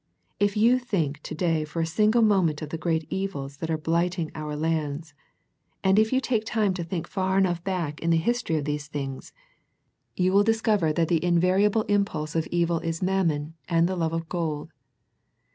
If you think to day for a single moment of the great evils that are blighiiing our lands, and if you take time to think far enough back in The Pergamum Letter 89 the history of these things, you will discover that the invariable impulse of evil is Mammon, and the love of gold.